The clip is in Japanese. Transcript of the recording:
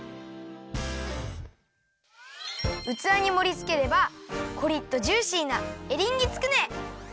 うつわにもりつければコリッとジューシーなエリンギつくね！